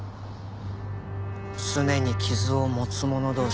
すねに傷を持つ者同士。